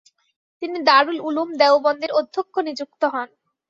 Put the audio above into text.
তিনি দারুল উলুম দেওবন্দের অধ্যক্ষ নিযুক্ত হন।